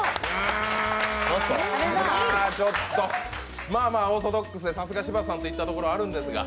ちょっと、まあまあオーソドックスでさすが柴田さんといったところあるんですが。